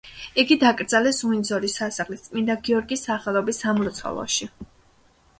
იგი დაკრძალეს უინძორის სასახლის წმინდა გიორგის სახელობის სამლოცველოში.